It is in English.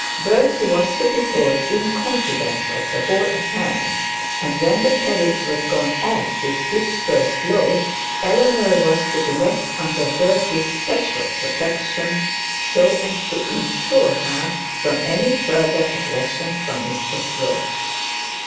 Bertie was to be told in confidence of the whole affair, and when the carriage was gone off with the first load, Eleanor was to be left under Bertie's special protection, so as to insure her from any further aggression from Mr Slope.